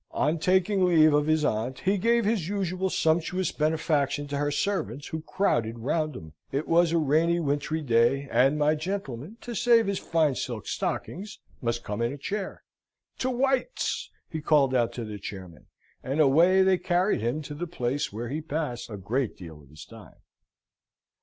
On taking leave of his aunt he gave his usual sumptuous benefaction to her servants, who crowded round him. It was a rainy wintry day, and my gentleman, to save his fine silk stockings, must come in a chair. "To White's!" he called out to the chairmen, and away they carried him to the place where he passed a great deal of his time.